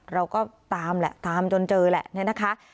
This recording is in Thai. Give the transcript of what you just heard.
เราก็ตามแหละตามจนเจอแหละเนี่ยนะคะ